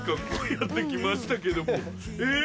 やって来ましたけども。え！